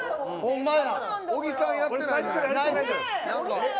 小木さんやってないじゃないですか。